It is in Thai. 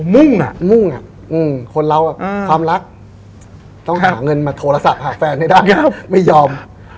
มุ่งอ่ะมุ่งคนเราความรักต้องหาเงินมาโทรศัพท์หาแฟนให้ได้ไม่ยอม